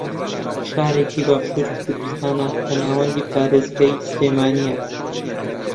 شارێکی باشووری کوردستانە کە ناوەندی پارێزگای سلێمانییە